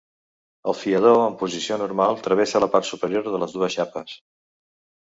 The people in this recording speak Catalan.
El fiador en posició normal travessa la part superior de les dues xapes.